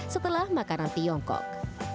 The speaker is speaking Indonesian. setelah makanan tiongkok